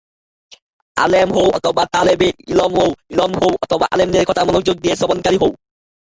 আলেম হও অথবা তালেবে ইলম হও অথবা আলেমদের কথা মনোযোগ দিয়ে শ্রবণকারী হও।